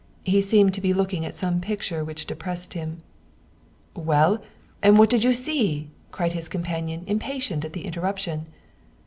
He seemed to be looking at some picture which depressed him. " Well, and what did you see ? ft cried his companion, impatient at the interruption.